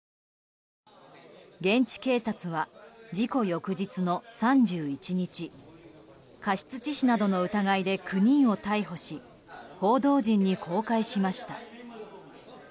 現地警察は、事故翌日の３１日過失致死などの疑いで９人を逮捕し報道陣に公開しました。